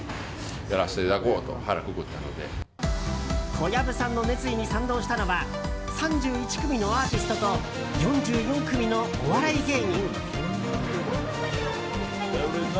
小籔さんの熱意に賛同したのは３１組のアーティストと４４組のお笑い芸人。